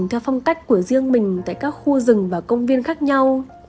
theo phong cách của riêng mình tại các khu rừng và công viên khác nhau